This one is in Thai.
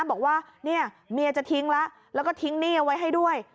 บอกว่าเมียจะทิ้งแล้วก็ทิ้งหนี้ไว้ให้ด้วย